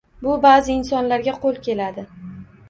Bu baʼzi insonlarga qoʻl keladi.